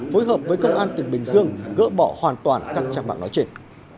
phối hợp với công an tỉnh bình dương gỡ bỏ hoàn toàn các trang mạng nói trên